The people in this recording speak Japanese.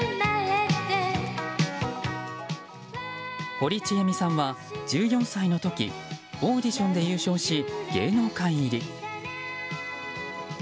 堀ちえみさんは１４歳の時オーディションで優勝し芸能界入り。